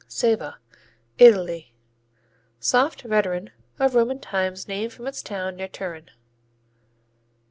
Ceva Italy Soft veteran of Roman times named from its town near Turin.